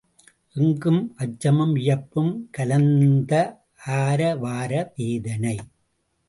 எங்கும் அச்சமும் வியப்பும் கலந்த ஆரவார வேதனை.